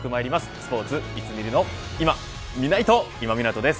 スポーツいつ見るのいまみないと今湊です。